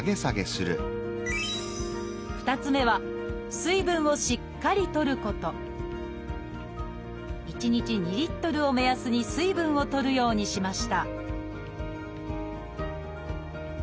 ２つ目は１日２リットルを目安に水分をとるようにしました